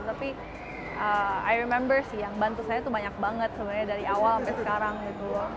tapi iro member sih yang bantu saya tuh banyak banget sebenarnya dari awal sampai sekarang gitu loh